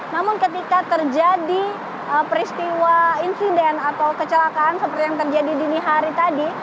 namun ketika terjadi peristiwa insiden atau kecelakaan seperti yang terjadi dini hari tadi